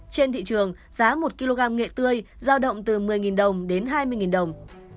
trên thị trường giá một kg nghệ tươi giao động từ một mươi đồng đến hai mươi đồng